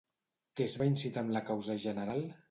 Què es va incitar amb la Causa General?